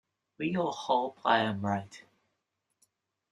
We all hope I am right.